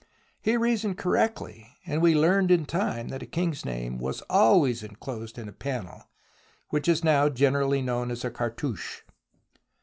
He reasoned correctly, and we learned in time that a king's name was always enclosed in a panel, which is now generally known as a cartouche.